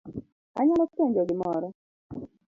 Anyalo penjo gimoro?